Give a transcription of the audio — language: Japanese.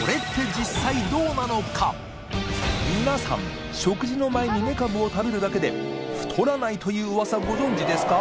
祿Г気食事の前にめかぶを食べるだけで世蕕覆い箸いΡご存じですか？